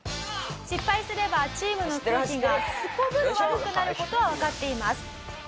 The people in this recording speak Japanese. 失敗すればチームの空気がすこぶる悪くなる事はわかっています。